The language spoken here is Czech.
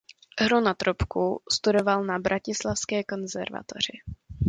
Hru na trubku studoval na bratislavské konzervatoři.